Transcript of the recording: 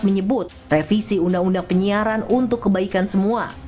menyebut revisi undang undang penyiaran untuk kebaikan semua